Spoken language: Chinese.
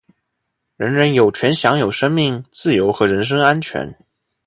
人人有权享有生命、自由和人身安全。